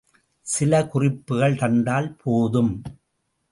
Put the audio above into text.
சில குறிப்புகள் தந்தால் போதும்.